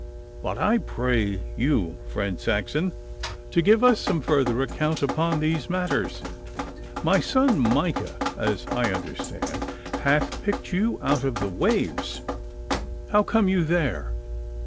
'But I pray you, friend Saxon, to give us some further account upon these matters. My son Micah, as I understand, hath picked you out of the waves. How came you there?